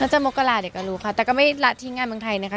จะมกราเดี๋ยวก็รู้ค่ะแต่ก็ไม่ละทิ้งงานเมืองไทยนะคะ